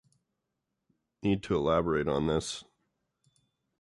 Need to elaborate on this.